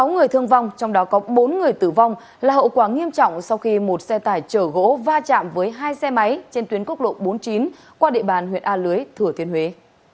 sáu người thương vong trong đó có bốn người tử vong là hậu quả nghiêm trọng sau khi một xe tải chở gỗ va chạm với hai xe máy trên tuyến quốc lộ bốn mươi chín qua địa bàn huyện a lưới thừa thiên huế